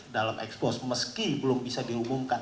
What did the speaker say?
dalam expose meski belum bisa diumumkan